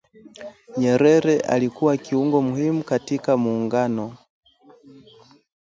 Nyerere alikuwa kiungo muhimu katika muungano